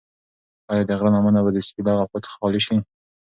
ایا د غره لمنه به د سپي له غپا څخه خالي شي؟